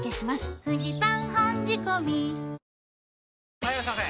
・はいいらっしゃいませ！